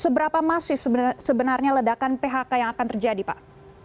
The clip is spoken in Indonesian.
seberapa masif sebenarnya ledakan phk yang akan terjadi pak